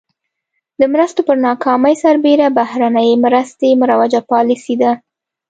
د مرستو پر ناکامۍ سربېره بهرنۍ مرستې مروجه پالیسي ده.